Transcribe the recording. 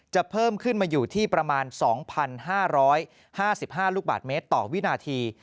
เพิ่มขึ้นมาอยู่ที่ประมาณ๒๕๕ลูกบาทเมตรต่อวินาที